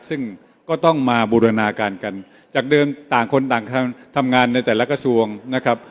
ซึ่งก็ต้องมาบูรณาการกันจากเดิมต่างคนต่างทำงานในแต่ละกระทรวงนะครับ